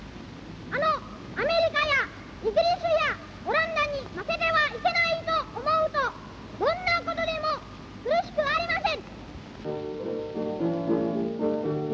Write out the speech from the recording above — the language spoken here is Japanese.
あのアメリカやイギリスやオランダに負けてはいけないと思うとどんな事でも苦しくありません」。